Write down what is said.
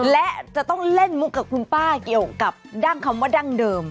และจะต้องเล่นมุกกับคุณป้าเกี่ยวกับดั้งคำว่าดั้งเดิม